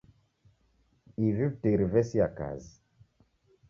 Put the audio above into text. Ivi vitiri vesia kazi.